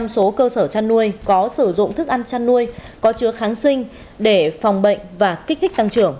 sáu mươi tám số cơ sở trăn nuôi có sử dụng thức ăn trăn nuôi có chứa kháng sinh để phòng bệnh và kích thích tăng trưởng